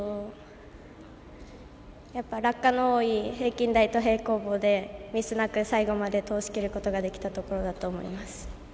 落下の多い平均台と平行棒で、ミスなく最後まで通しきることができたところだと思います。